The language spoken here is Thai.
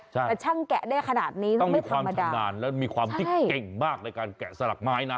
แต่ช่างแกะได้ขนาดนี้ต้องมีความชำนาญแล้วมีความที่เก่งมากในการแกะสลักไม้นะ